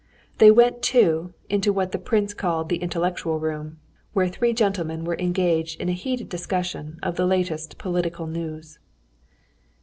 They went, too, into what the prince called the intellectual room, where three gentlemen were engaged in a heated discussion of the latest political news.